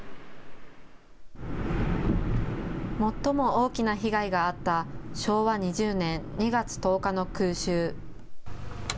最も大きな被害があった昭和２０年２月１０日の空襲。